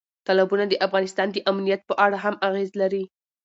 تالابونه د افغانستان د امنیت په اړه هم اغېز لري.